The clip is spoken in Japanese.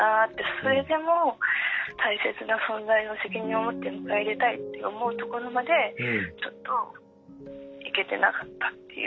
それでも大切な存在を責任を持って迎え入れたいって思うところまでちょっと行けてなかったっていう。